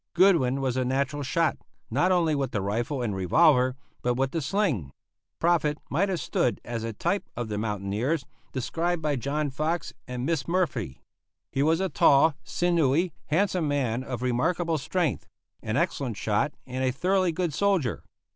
Goodwin was a natural shot, not only with the rifle and revolver, but with the sling. Proffit might have stood as a type of the mountaineers described by John Fox and Miss Murfree. He was a tall, sinewy, handsome man of remarkable strength, an excellent shot and a thoroughly good soldier.